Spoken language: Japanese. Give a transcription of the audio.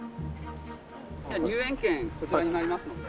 入園券こちらになりますので。